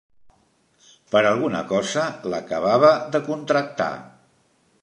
Per alguna cosa l'acabava de contractar.